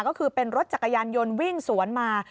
ก็คือเป็นรถจักรยานยนต์วิ่งสวนมา